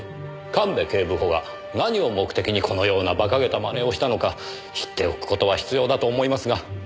神戸警部補が何を目的にこのようなバカげた真似をしたのか知っておく事は必要だと思いますが。